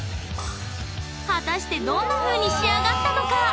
果たしてどんなふうに仕上がったのか！